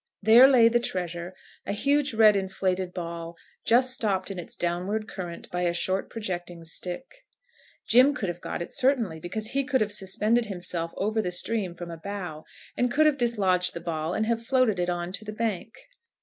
There lay the treasure, a huge red inflated ball, just stopped in its downward current by a short projecting stick. Jim could have got it certainly, because he could have suspended himself over the stream from a bough, and could have dislodged the ball, and have floated it on to the bank.